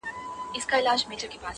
• په دې خړو کنډوالو یو نازېدلي ,